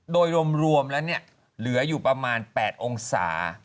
โดยรวมแล้วเหลืออยู่ประมาณ๘องศา